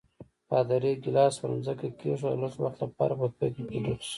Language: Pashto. پادري ګیلاس پر ځمکه کېښود او لږ وخت لپاره په فکر کې ډوب شو.